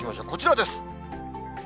こちらです。